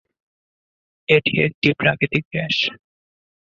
এটি একটি প্রাকৃতিক গ্যাস।